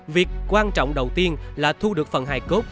việc quan trọng đầu tiên là thu được phần hài cốt